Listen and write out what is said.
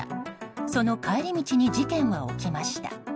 その帰り道に事件は起きました。